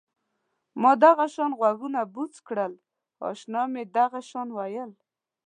ما دغه شان غوږونه بوڅ کړل اشنا مې دغه شان وویل.